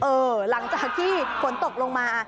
หลังจากที่ฝนตกลงมา